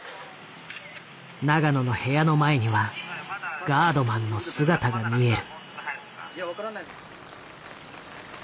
永野の部屋の前にはガードマンの姿が見える。